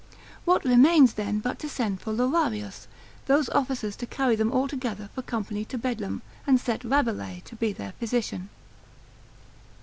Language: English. what remains then but to send for Lorarios, those officers to carry them all together for company to Bedlam, and set Rabelais to be their physician.